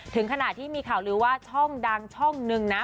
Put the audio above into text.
ถึงขณะที่มีข่าวลือว่าช่องดังช่องนึงนะ